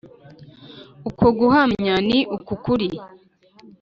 Uko guhamya ni uk’ukuri